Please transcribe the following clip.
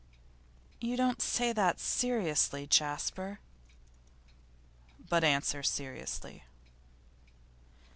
'You don't say that seriously, Jasper?' 'But answer seriously.